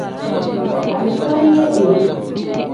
Alikariya iru.